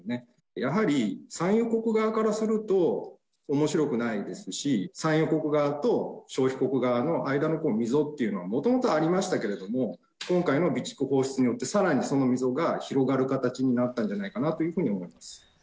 やはり産油国側からすると、おもしろくないですし、産油国側と消費国側の間の溝っていうのはもともとありましたけれども、今回の備蓄放出によって、さらにその溝が広がる形になったんじゃないかなというふうに思います。